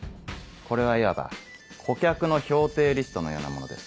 これはいわば顧客の評定リストのようなものです。